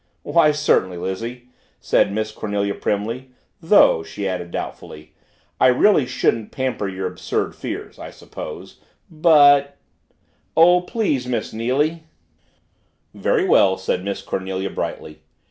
"Why, certainly, Lizzie," said Miss Cornelia primly. "Though," she added doubtfully, "I really shouldn't pamper your absurd fears, I suppose, but " "Oh, please, Miss Neily!" "Very well," said Miss Cornelia brightly.